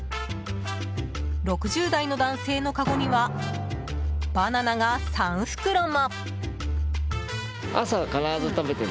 ６０代の男性のかごにはバナナが３袋も。